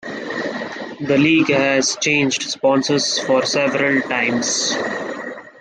The League has changed sponsors for several times.